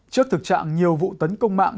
trước thực trạng nhiều vụ tấn công mạng